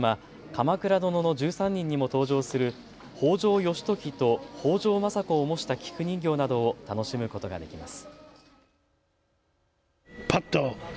鎌倉殿の１３人にも登場する北条義時と北条政子を模した菊人形などを楽しむことができます。